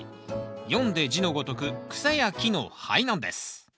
読んで字のごとく草や木の灰なんです